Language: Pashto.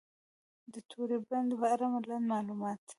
د توری بند په اړه لنډ معلومات: